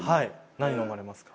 何飲まれますか？